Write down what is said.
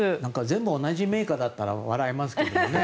全部同じメーカーだったら笑えますけどね。